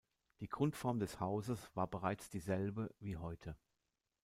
Die Grundform des Hauses war bereits dieselbe wie heute.